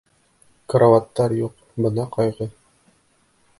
Карауаттар юҡ, бына ҡайғы!